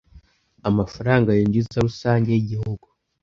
amafaranga yinjiza rusange yigihugu